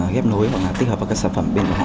ghép nối hoặc là tích hợp vào các sản phẩm bên của họ